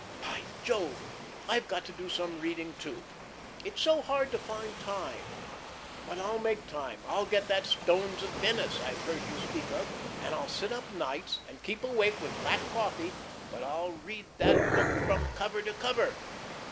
"By Jove, I've got to do some reading, too. It's so hard to find time. But I'll make time. I'll get that 'Stones of Venice' I've heard you speak of, and I'll sit up nights and keep awake with black coffee but I'll read that book from cover to cover."